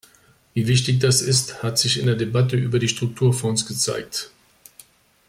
Wie wichtig das ist, hat sich in der Debatte über die Strukturfonds gezeigt.